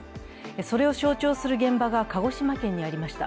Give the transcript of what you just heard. それを象徴する現場が鹿児島県にありました。